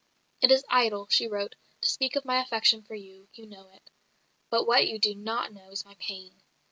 "It is idle," she wrote, "to speak of my affection for you you know it. But what you do not know is my pain.